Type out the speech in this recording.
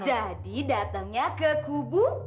jadi datangnya ke kubu